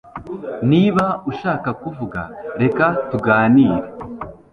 Niba ushaka kuvuga reka tuganire